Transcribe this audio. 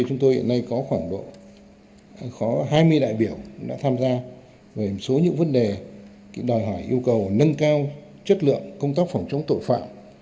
chúng tôi hiện nay có khoảng hai mươi đại biểu đã tham gia về một số những vấn đề đòi hỏi yêu cầu nâng cao chất lượng công tác phòng chống tội phạm